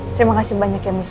terima kasih banyak ya mas